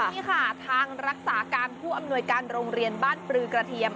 นี่ค่ะทางรักษาการผู้อำนวยการโรงเรียนบ้านปลือกระเทียม